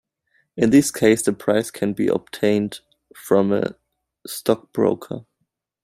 In this case, the price can be obtained from a stockbroker.